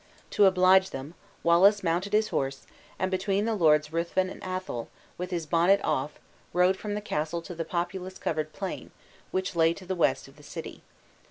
To oblige them, Wallace mounted his horse, and between the Lords Ruthven and Athol, with his bonnet off, rode from the castle to the populace covered plain, which lay to the west of the city.